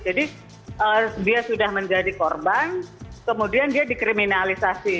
jadi dia sudah menjadi korban kemudian dia dikriminalisasi